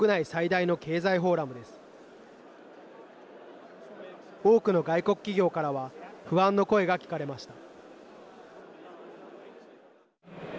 多くの外国企業からは不安の声が聞かれました。